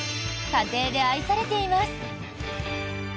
家庭で愛されています。